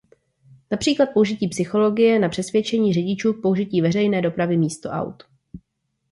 Například použití psychologie na přesvědčení řidičů k použití veřejné dopravy místo aut.